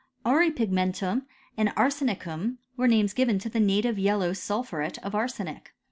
Auripigmentum and arsenicum were names given to the native yellow sulphuret of arsenic.